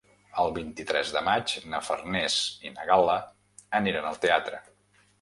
El vint-i-tres de maig na Farners i na Gal·la aniran al teatre.